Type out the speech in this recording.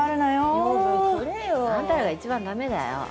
養分くれよ。あんたらが一番ダメだよ。